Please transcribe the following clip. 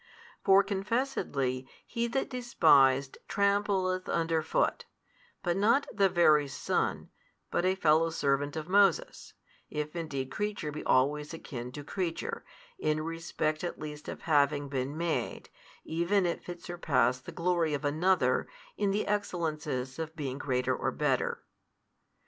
For confessedly |175 he that despised trampleth under foot, but not the Very Son, but a fellow servant of Moses, if indeed creature be always akin to creature, in respect at least of having been made, even if it surpass the glory of another, in the excellences of being greater or better.